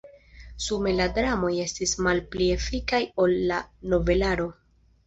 Sume la dramoj estis malpli efikaj ol la novelaro.